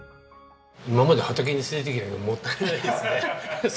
今まで畑に捨ててきたけどもったいないですね。